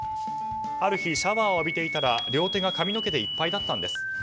ある日、シャワーを浴びていたら両手が髪の毛でいっぱいだったんです。